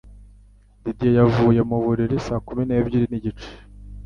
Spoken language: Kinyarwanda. Didier yavuye mu buriri saa kumi n'ebyiri n'igice